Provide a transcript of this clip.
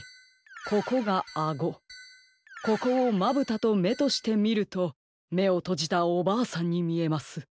ここがあごここをまぶたとめとしてみるとめをとじたおばあさんにみえます。